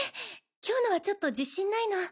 今日のはちょっと自信ないの。